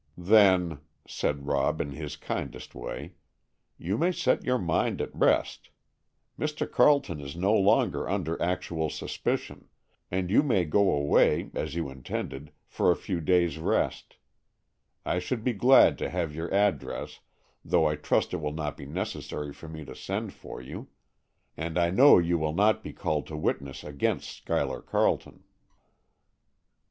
"Then," said Rob in his kindest way, "you may set your mind at rest. Mr. Carleton is no longer under actual suspicion, and you may go away, as you intended, for a few days' rest. I should be glad to have your address, though I trust it will not be necessary for me to send for you; and I know you will not be called to witness against Schuyler Carleton."